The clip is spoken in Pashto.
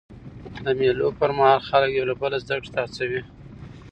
د مېلو پر مهال خلک یو له بله زدهکړي ته هڅوي.